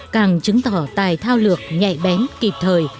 càng chứng tỏ tài thao lược nhạy bén kịp thời